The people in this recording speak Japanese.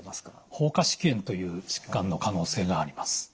蜂窩織炎という疾患の可能性があります。